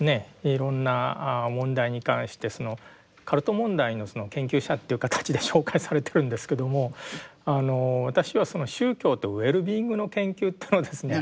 いろんな問題に関してカルト問題の研究者という形で紹介されてるんですけども私は宗教とウェルビーイングの研究というのをですね